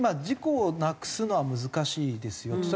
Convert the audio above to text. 事故をなくすのは難しいですよ。